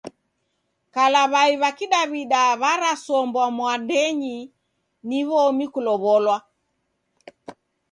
Kala w'ai w'a kidaw'ida w'arasombwa mwadenyi ni w'omi kulow'olwa.